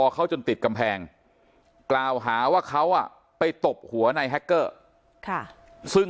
เขาจนติดกำแพงกล่าวหาว่าเขาไปตบหัวในแฮคเกอร์ซึ่ง